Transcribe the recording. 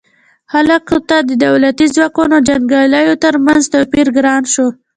خلکو ته د دولتي ځواکونو او جنګیالیو ترمنځ توپیر ګران شو.